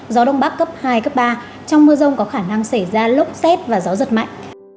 gió đông bắc cấp hai cấp ba trong mưa rông có khả năng xảy ra lốc xét và gió giật mạnh